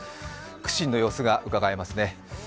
苦心の様子がうかがえますね。